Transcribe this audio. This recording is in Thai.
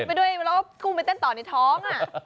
ไปด้วยแล้วก็กุ้งไปเต้นต่อในท้อง